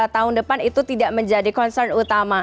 tahun depan itu tidak menjadi concern utama